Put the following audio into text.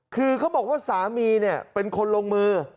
คือเขาบอกว่าสามีเนี่ยเป็นคนลงมือ